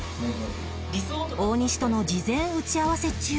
大西との事前打ち合わせ中